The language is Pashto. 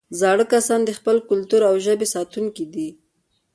زاړه کسان د خپل کلتور او ژبې ساتونکي دي